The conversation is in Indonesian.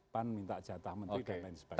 pan minta jatah menteri dan lain sebagainya